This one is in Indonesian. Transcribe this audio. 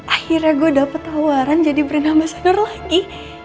akhirnya gua dapat tawaran jadi brand ambasador lagi